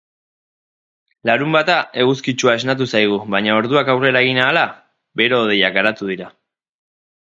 Larunbata eguzkitsua esnatu zaigu baina orduak aurrera egin ahala, bero-hodeiak garatu dira.